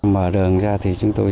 mở đường ra thì chúng tôi